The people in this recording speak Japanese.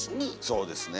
そうですね。